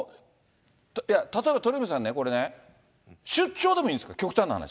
いや、例えば鳥海さんね、これね、出張でもいいんですか？